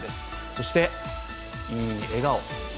そしていい笑顔。